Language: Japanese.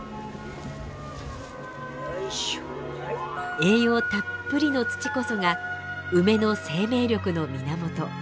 栄養たっぷりの土こそが梅の生命力の源。